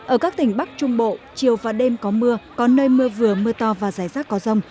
ở các tỉnh bắc trung bộ chiều và đêm có mưa có nơi mưa vừa mưa to và rải rác có rông